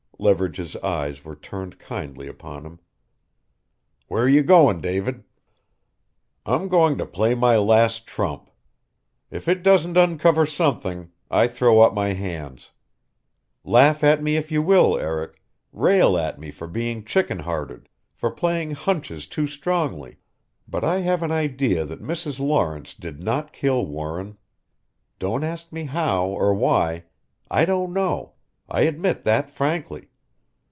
Leverage's eyes were turned kindly upon him. "Where are you going, David!" "I'm going to play my last trump. If it doesn't uncover something I throw up my hands. Laugh at me if you will, Eric rail at me for being chicken hearted, for playing hunches too strongly but I have an idea that Mrs. Lawrence did not kill Warren. Don't ask me how or why? I don't know I admit that frankly.